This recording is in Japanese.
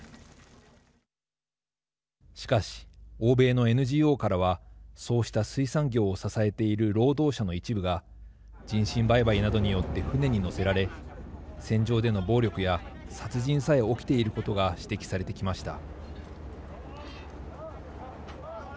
しかし、欧米のＮＧＯからはそうした水産業を支えている労働者の一部が人身売買などによって船に乗せられ船上での暴力や殺人さえ起きていることが指摘されてきました。